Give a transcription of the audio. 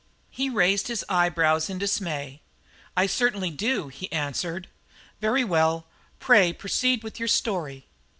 He raised his eyebrows in dismay. "I certainly do," he answered. "Very well; pray proceed with your story."